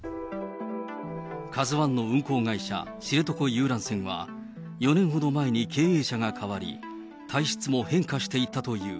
カズワンの運航会社、知床遊覧船は、４年ほど前に経営者が代わり、体質も変化していったという。